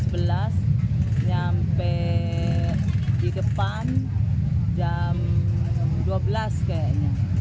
sampai di depan jam dua belas kayaknya